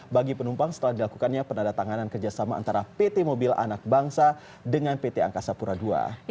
bagi penumpang setelah dilakukannya penandatanganan kerjasama antara pt mobil anak bangsa dengan pt angkasa pura ii